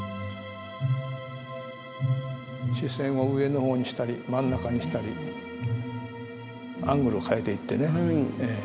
視線を上の方にしたり真ん中にしたりアングルを変えていってね。